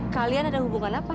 kalian ada hubungan apa